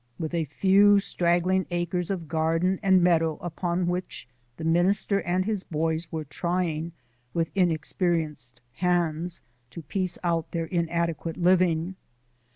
with a few straggling acres of garden and meadow upon which the minister and his boys were trying with inexperienced hands to piece out their inadequate living.